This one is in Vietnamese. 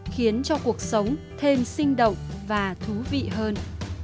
khiến cho cuộc sống thêm sinh động và thú vị hơn